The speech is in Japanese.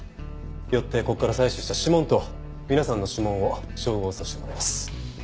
よってここから採取した指紋と皆さんの指紋を照合させてもらいます。